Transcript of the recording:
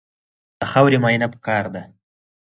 د خاورې معاینه پکار ده.